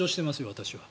私は。